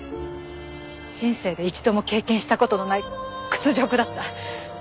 人生で一度も経験した事のない屈辱だった。